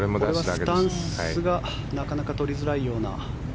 スタンスがなかなか取りづらいような。